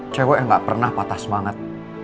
cewek gak pernah patah semangat